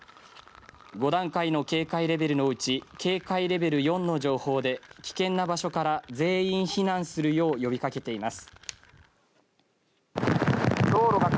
５段階の警戒レベルのうち警戒レベル４の情報で危険な場所から全員避難するよう呼びかけています。